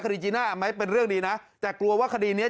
จีน่าไหมเป็นเรื่องดีนะแต่กลัวว่าคดีเนี้ย